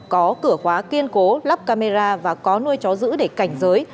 có cửa khóa kiên cố lắp camera và có nuôi chó giữ để cảnh giới